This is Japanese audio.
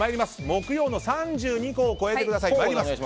木曜の３２個を超えてください。